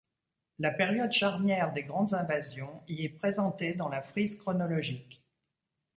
La période charnière des grandes invasions y est présentée dans la frise chronologique.